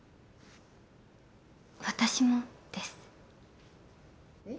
私もです。え！？